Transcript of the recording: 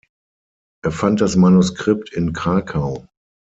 Er fand das Manuskript in Krakau.